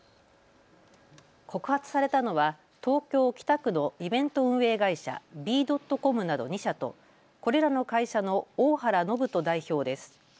告発されたのは東京北区のイベント運営会社、Ｂ．ＣＯＭなど２社とこれらの会社の大原信人代表です。